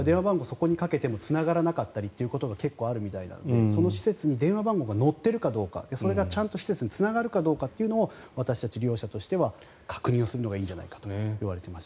そこにかけてもつながらなかったりっていうことが結構あるみたいなのでその施設に電話番号が載ってるかどうかそれがちゃんと施設につながるかも私たち利用者としては確認をするのがいいんじゃないかといわれています。